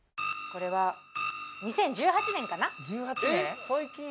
これは２０１８年かな・えっ